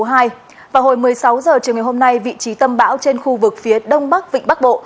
vào hồi một mươi sáu h chiều ngày hôm nay vị trí tâm bão trên khu vực phía đông bắc vịnh bắc bộ